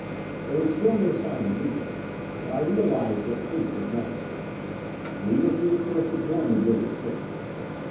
There was still no sign of Miko. But I realized that haste was necessary. We must be the first to join the brigand ship.